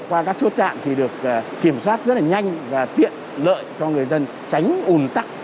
qua các chốt chạm thì được kiểm soát rất là nhanh và tiện lợi cho người dân tránh ủn tắc